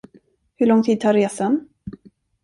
Hur lång tid tar resan?